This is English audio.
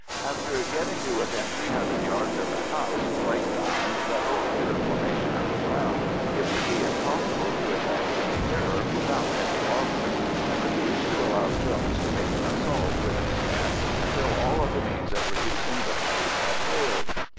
After getting to within three hundred yards of the house, Blake found that, owing to the formation of the ground, it would be impossible to advance any nearer without very heavy losses, and refused to allow Jones to make an assault with his men until all other means of reducing the place had failed.